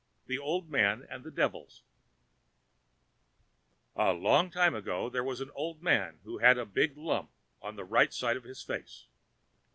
The Old Man and the Devils A long time ago there was an old man who had a big lump on the right side of his face.